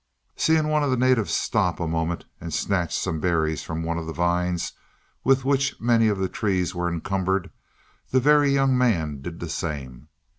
Seeing one of the natives stop a moment and snatch some berries from one of the vines with which many of the trees were encumbered, the Very Young Man did the same.